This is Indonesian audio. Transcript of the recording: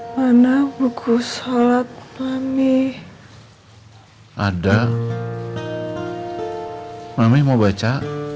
mana buku sholat mami ada mami mau baca